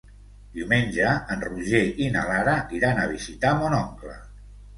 Diumenge en Roger i na Lara iran a visitar mon oncle.